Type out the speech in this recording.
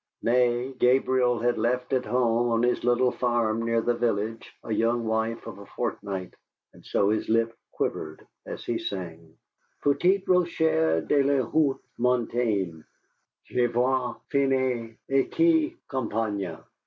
Nay, Gabriel had left at home on his little farm near the village a young wife of a fortnight. And so his lip quivered as he sang: "Petit Rocher de la Haute Montagne, Je vien finir ici cette campagne!